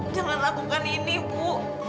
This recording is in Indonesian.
jangan lakukan ini bu